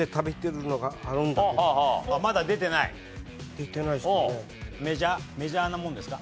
出てないですね。